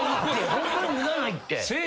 ホンマに脱がないって。